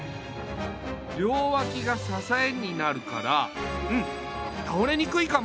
りょうわきがささえになるからうんたおれにくいかも。